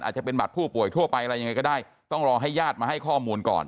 อาจจะเป็นบัตรผู้ป่วยทั่วไปอะไรยังไงก็ได้ต้องรอให้ญาติมาให้ข้อมูลก่อน